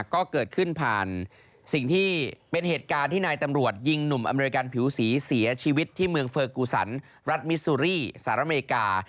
ก็เกิดขึ้นผ่านสิ่งที่เป็นเหตุการณ์ที่นายตำรวจยิงหนุ่มอเมริกันผิวสีเสียชีวิตที่เมืองเฟอร์กูสันรัฐมิซูรีสหรัฐอเมริกา